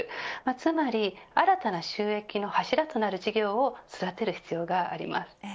つまり新たな収益の柱となる事業を育てる必要があります。